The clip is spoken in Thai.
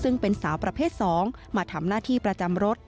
ซึ่งเป็นสาวประเภท๒มาทำหน้าที่ประจำรถ